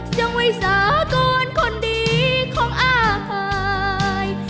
จังไว้สากลคนดีของอ้าภาย